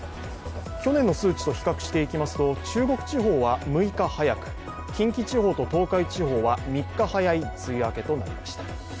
去年の数値と比較していきますと中国地方は６日早く、近畿地方と東海地方は３日早い梅雨明けとなりました。